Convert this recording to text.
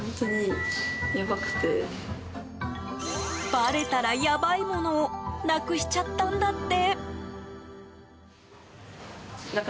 ばれたらやばいものをなくしちゃったんだって。